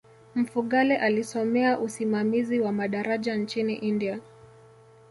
mfugale alisomea usimamizi wa madaraja nchini india